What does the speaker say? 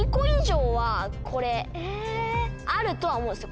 とは思うんですよ